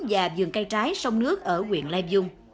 và vườn cây trái sông nước ở quyền lai vương